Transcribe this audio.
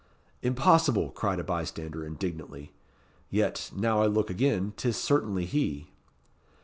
"Impossible!" cried a bystander, indignantly. "Yet, now I look again, 'tis certainly he."